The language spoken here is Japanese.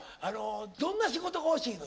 どんな仕事が欲しいの？